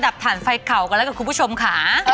ดับถ่านไฟเก่ากันแล้วกับคุณผู้ชมคะ